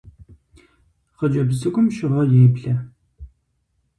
Хъыджэбз цӀыкӀум щыгъэ еблэ.